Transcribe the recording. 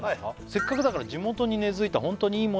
「せっかくだから地元に根づいた本当にいい物を」